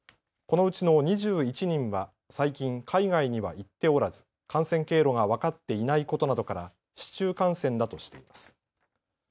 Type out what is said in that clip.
このうちの２１人は最近、海外には行っておらず感染経路が分かっていないことなどから市中感染だとしています。